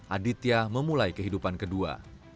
aditya memulai kehidupan kedua